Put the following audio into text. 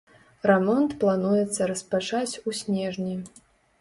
Рамонт плануецца распачаць у снежні.